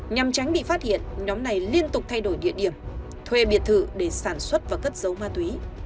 nhằm tránh bị phát hiện nhóm này liên tục thay đổi địa điểm thuê biệt thự để sản xuất và cất dấu ma túy